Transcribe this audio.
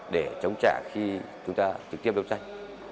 để chống trả khi chúng ta trực tiếp đấu tranh